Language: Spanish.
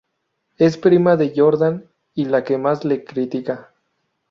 Es prima de Jordan y la que más le critica.